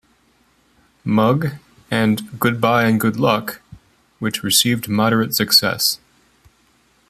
Mug", and "Goodbye and Good Luck" which received moderate success.